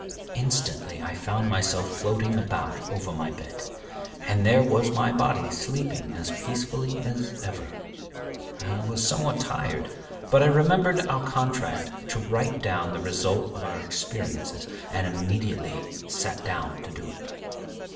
Instantly I found myself floating about over my bed, and there was my body sleeping as peacefully as ever. I was somewhat tired, but I remembered our contract to write down the result of our experiences, and immediately sat down to do it.